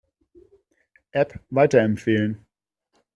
App weiterempfehlen.